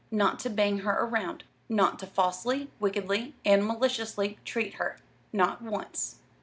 Not to Bang her round. Not to Falsely, Wickedly and Maliciously treat her. Not once.